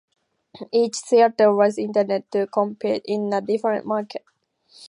Each theatre was intended to compete in a different market.